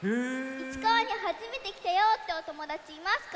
いちかわにはじめてきたよっておともだちいますか？